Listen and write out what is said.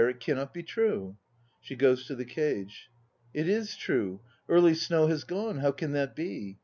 It cannot be true. (She goes to the cage.) It is true. Early Snow has gone! How can that be?